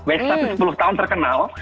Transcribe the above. westlife sepuluh tahun terkenal